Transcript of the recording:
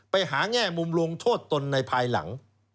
แง่มุมลงโทษตนในภายหลัง